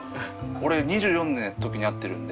俺２４の時になってるんで。